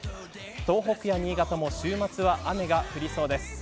東北や新潟も週末は雨が降りそうです。